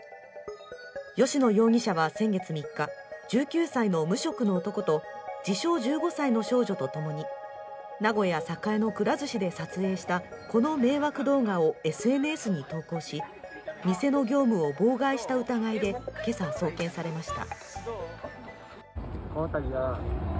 吉野容疑者は先月３日、１９歳の無職の男と自称１５歳の少女とともに、名古屋・栄のくら寿司で撮影したこの迷惑動画をＳＮＳに投稿し、店の業務を妨害した疑いで今朝、送検されました。